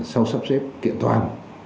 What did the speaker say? sau sắp xếp kiện toàn